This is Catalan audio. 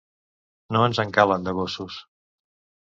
No ens en calen, de gossos.